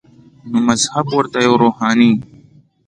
نو مذهب ورته یوه روحاني